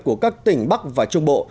của các tỉnh bắc và trung bộ